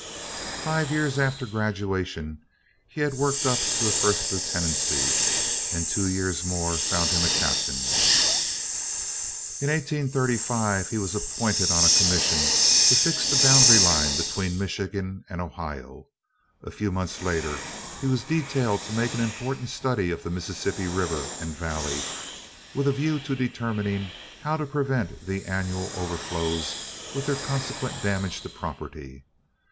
Five years after graduation he had worked up to a first lieutenancy, and two years more found him a captain. In 1835 he was appointed on a commission to fix the boundary line between Michigan and Ohio. A few months later he was detailed to make an important study of the Mississippi River and Valley with a view to determining how to prevent the annual overflows with their consequent damage to property.